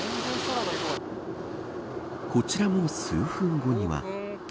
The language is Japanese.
こちらも数分後には。